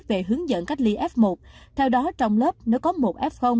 về hướng dẫn cách ly f một theo đó trong lớp nếu có một f